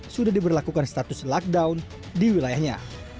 sudah diberlakukan status lockdown di wilayahnya